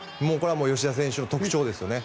吉田選手の特徴です。